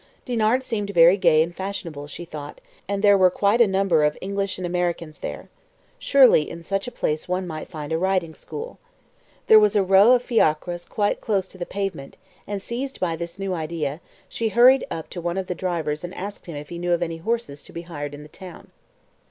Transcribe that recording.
Dinard seemed very gay and fashionable, she thought, and there was quite a number of English and Americans there. Surely in such a place one might find a riding school. There was a row of fiacres quite close to the pavement, and, seized by this new idea, she hurried up to one of the drivers and asked him if he knew of any horses to be hired in the town.